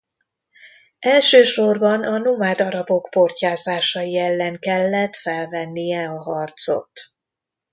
Elsősorban a nomád arabok portyázásai ellen kellett felvennie a harcot.